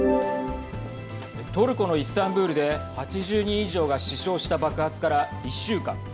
トルコのイスタンブールで８０人以上が死傷した爆発から１週間。